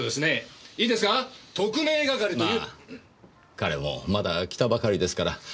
彼もまだ来たばかりですから。